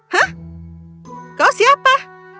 hah kau siapa